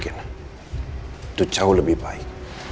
itu jauh lebih baik